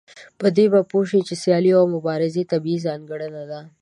په دې به پوه شئ چې سيالي او مبارزه طبيعي ځانګړنه ده.